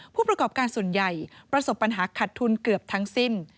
ผู้ประกอบการส่วนใหญ่ประสบปัญหาขัดทุนเกือบทั้งสิ้น